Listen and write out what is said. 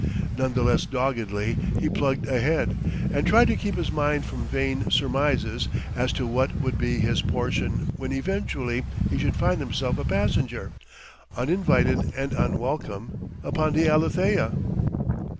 None the less doggedly he plugged ahead, and tried to keep his mind from vain surmises as to what would be his portion when eventually he should find himself a passenger, uninvited and unwelcome, upon the Alethea....